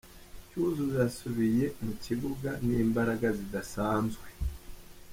Cyuzuzo yasubiye mu kibuga n’imbaraga zidasanzwe .